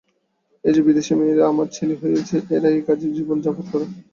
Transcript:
এই যে বিদেশী মেয়েরা আমার চেলী হয়েছে, এরাই এ-কাজে জীবনপাত করে যাবে।